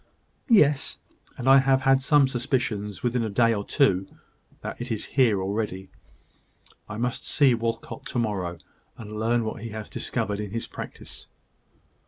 "Yes: and I have had some suspicions, within a day or two, that it is here already. I must see Walcot to morrow; and learn what he has discovered in his practice."